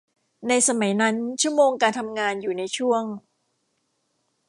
ในสมัยนั้นชั่วโมงการทำงานอยู่ในช่วง